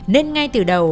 nên ngay từ đầu